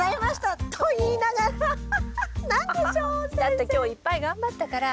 だって今日いっぱい頑張ったから。